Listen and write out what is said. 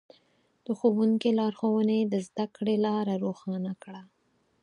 د ښوونکي لارښوونې د زده کړې لاره روښانه کړه.